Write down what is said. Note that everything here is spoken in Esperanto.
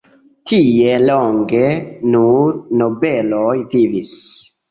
Tie longe nur nobeloj vivis.